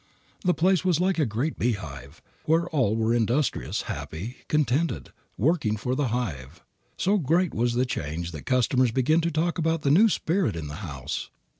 The place was like a great beehive, where all were industrious, happy, contented, working for the hive. So great was the change that customers began to talk about the new spirit in the house.